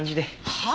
はあ？